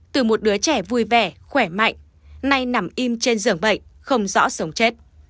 từ một đứa trẻ vui vẻ khỏe mạnh nay nằm im trên giường bệnh